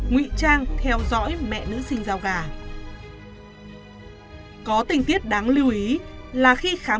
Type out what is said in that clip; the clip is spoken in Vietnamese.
ngụy trang theo dõi mẹ nữ sinh giao gà có tình tiết đáng lưu ý là khi khám